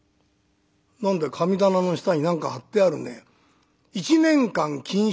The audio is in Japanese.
「何だよ神棚の下に何か貼ってあるね。